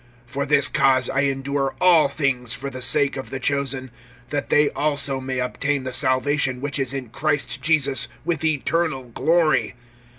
(10)For this cause, I endure all things for the sake of the chosen, that they also may obtain the salvation which is in Christ Jesus, with eternal glory.